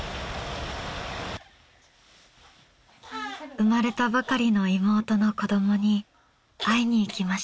生まれたばかりの妹の子どもに会いに行きました。